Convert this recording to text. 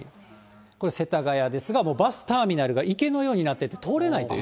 これ世田谷ですが、もうバスターミナルが池のようになってて、通れないという。